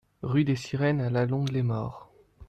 Rue des Sirenes à La Londe-les-Maures